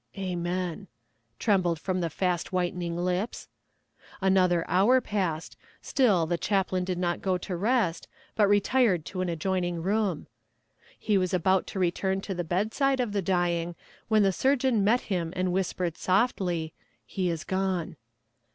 'Amen,' trembled from the fast whitening lips. Another hour passed, still the chaplain did not go to rest, but retired to an adjoining room; he was about to return to the bedside of the dying when the surgeon met him and whispered softly, 'He is gone.'